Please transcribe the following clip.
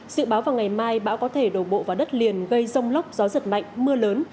dự báo vào ngày mai bão có thể đổ bộ vào đất liền gây rông lốc gió giật mạnh mưa lớn